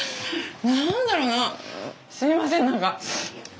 何だろうなすみません何か。